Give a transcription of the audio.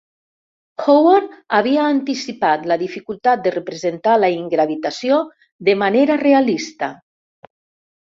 Howard havia anticipat la dificultat de representar la ingravitació de manera realista.